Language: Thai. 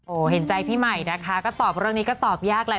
โอ้โหเห็นใจพี่ใหม่นะคะก็ตอบเรื่องนี้ก็ตอบยากแหละ